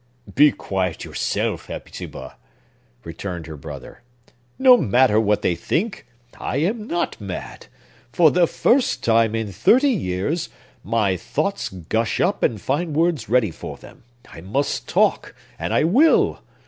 "Be quiet yourself, Hepzibah!" returned her brother. "No matter what they think! I am not mad. For the first time in thirty years my thoughts gush up and find words ready for them. I must talk, and I will!"